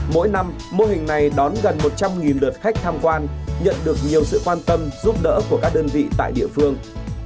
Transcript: mỗi năm mô hình này đón gần một trăm linh lượt khách tham quan nhận được nhiều sự quan tâm giúp đỡ của các đơn vị tại địa phương